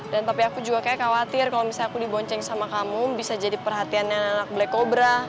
dan papi aku juga kayaknya khawatir kalau misalnya aku dibonceng sama kamu bisa jadi perhatian anak black cobra